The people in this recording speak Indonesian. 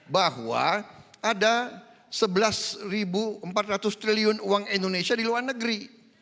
bahwa ada sebelas empat ratus triliun uang indonesia di luar negeri